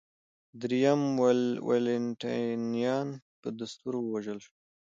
درېیم والنټینیان په دستور ووژل شو